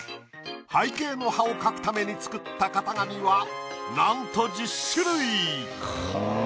背景の葉を描くために作った型紙はなんと１０種類！